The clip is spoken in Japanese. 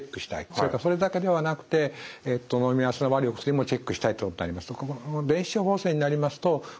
それからそれだけではなくてのみ合わせの悪いお薬もチェックしたいこともあります。